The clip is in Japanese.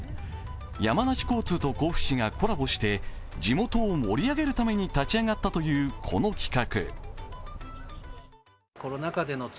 山梨交通と甲府市がコラボして地元を盛り上げるために立ち上がったというこの企画。